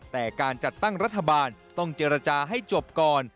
แต่การจัดตั้งรัฐบาลต้องเจรจาให้จบก่อน